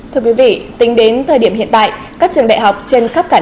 thưa quý vị tính đến thời điểm hiện tại các trường đại học trên khắp các tỉnh